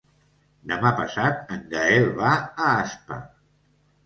Demà passat en Gaël va a Aspa.